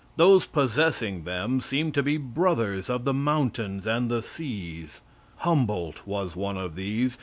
Those possessing them seem to be brothers of the mountains and the seas. Humboldt was one of these.